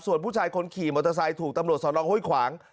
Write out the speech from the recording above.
ส่วนผู้ชายคนขี่มอเตอร์ไซค์ถูกตำรวจสอนองห้วยขวาง